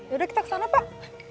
yaudah kita kesana pak